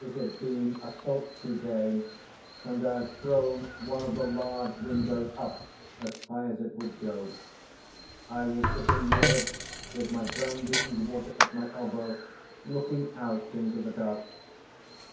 It had been a sultry day, and I had thrown one of the large windows up as high as it would go. I was sitting near it, with my brandy and water at my elbow, looking out into the dark.